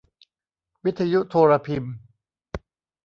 วิทยุโทรพิมพ์